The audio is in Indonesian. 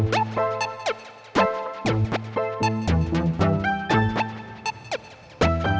w statteru paiyam tu